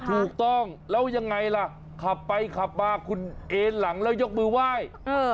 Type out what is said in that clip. ถูกต้องแล้วยังไงล่ะขับไปขับมาคุณเอ็นหลังแล้วยกมือไหว้